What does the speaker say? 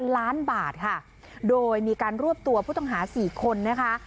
ล้านบาทค่ะโดยมีการรวบตัวผู้ต้องหา๔คนนะคะ